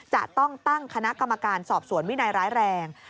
จะต้องตั้งคณะกรรมการสอบสวนวินัยร้ายแรง